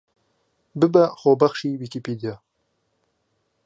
ببە خۆبەخشی ویکیپیدیا